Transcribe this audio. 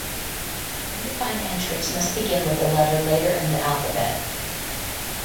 Undefined entries must begin with a letter later in the alphabet.